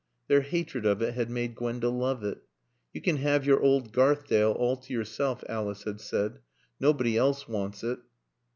Their hatred of it had made Gwenda love it. "You can have your old Garthdale all to yourself," Alice had said. "Nobody else wants it."